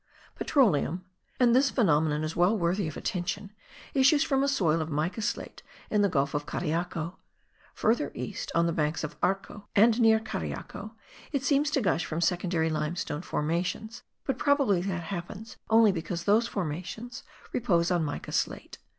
Petroleum (and this phenomenon is well worthy of attention) issues from a soil of mica slate in the gulf of Cariaco. Further east, on the banks of the Arco, and near Cariaco, it seems to gush from secondary limestone formations, but probably that happens only because those formations repose on mica slate.